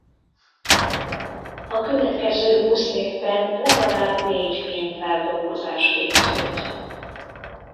A következő húsz évben legalább négy filmfeldolgozás készült.